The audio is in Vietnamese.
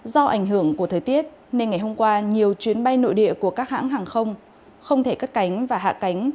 do ảnh hưởng của thời tiết nên ngày hôm qua nhiều chuyến bay nội địa của các hãng hàng không không thể cất cánh và hạ cánh